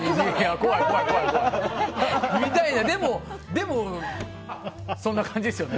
でもそんな感じですよね。